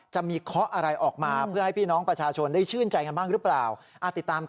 จะมีเท่าไหร่ออกมาเพื่อให้พี่น้องประชาชนได้ชื่นใจหรือเปล่า